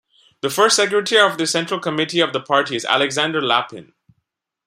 The First Secretary of the Central Committee of the party is Alexander Lapin.